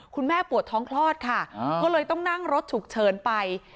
คุณแม่ปวดท้องคลอดค่ะเพราะก็เลยต้องนั่งรถฉุกเชินไป